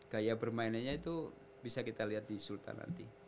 gaya permainannya itu bisa kita lihat di sultan nanti